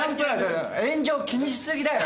炎上気にし過ぎだよ。